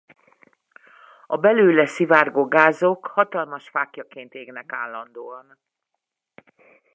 A belőle szivárgó gázok hatalmas fáklyaként égnek állandóan.